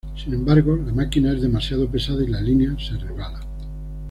Sin embargo, la máquina es demasiado pesada y la línea se resbala.